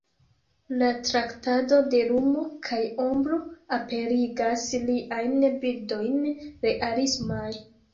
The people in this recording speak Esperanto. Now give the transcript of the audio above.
La traktado de lumo kaj ombro aperigas liajn bildojn realismaj.